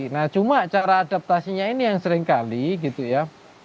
nah cuma cara adaptasinya ini yang seringkali gitu ya